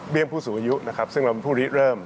เบี้ยงผู้สูงอายุซึ่งเราเป็นผู้ลิเริ่ม